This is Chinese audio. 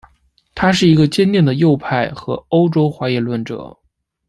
他是一个坚定的右派和欧洲怀疑论者。